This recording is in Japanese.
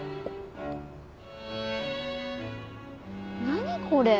何これ？